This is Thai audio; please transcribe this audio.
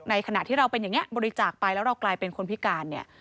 ขณะที่เราเป็นอย่างนี้บริจาคไปแล้วเรากลายเป็นคนพิการเนี่ย